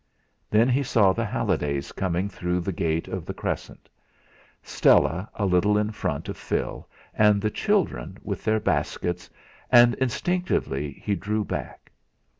Then he saw the Hallidays coming through the gate of the Crescent, Stella a little in front of Phil and the children, with their baskets, and instinctively he drew back.